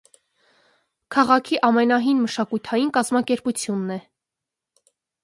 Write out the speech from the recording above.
Քաղաքի ամենահին մշակութային կազմակերպությունն է։